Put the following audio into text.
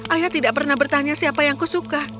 ayah tidak pernah bertanya siapa yang kusuka